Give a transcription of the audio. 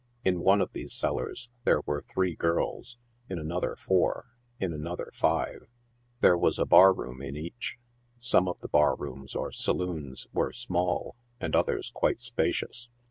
In one of these cellars there were three girls, in another four, in another five. There was a bar room in each. Some of the bar rooms or saloons were small, and othera quite spacious.